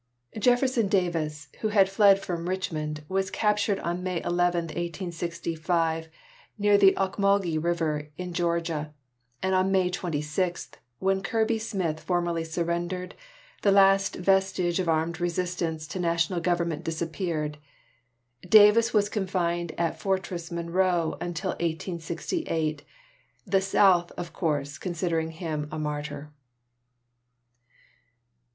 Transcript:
Jefferson Davis, who had fled from Richmond, was captured on May 11, 1865, near the Ocmulgee River, in Georgia, and on May 26, when Kirby Smith formally surrendered, the last vestige of armed resistance to the national government disappeared. Davis was confined at Fortress Monroe until 1868, the South, of course, considering him a martyr.